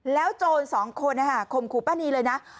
แล้วโจรสองคนนะฮะคมครูป้านีเลยนะ